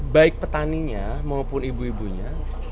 baik petaninya maupun ibu ibunya